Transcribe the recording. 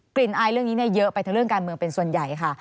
อายเรื่องนี้เยอะไปทั้งเรื่องการเมืองเป็นส่วนใหญ่ค่ะ